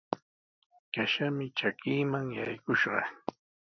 Kashami trakiiman yakushqa.